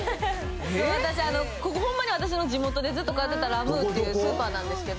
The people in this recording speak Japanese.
私ここほんまに私の地元でずっと通ってたラ・ムーっていうスーパーなんですけど。